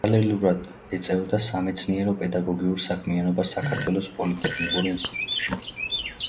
პარალელურად ეწეოდა სამეცნიერო-პედაგოგიურ საქმიანობას საქართველოს პოლიტექნიკურ ინსტიტუტში.